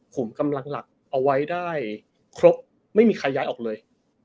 ผมกำลังหลักเอาไว้ได้ครบไม่มีใครย้ายออกเลย